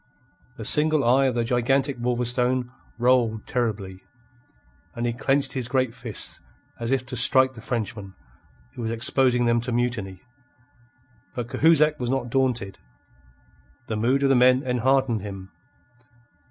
The single eye of the gigantic Wolverstone rolled terribly, and he clenched his great fists as if to strike the Frenchman, who was exposing them to mutiny. But Cahusac was not daunted. The mood of the men enheartened him.